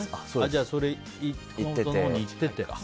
じゃあ熊本のほうに行ってて。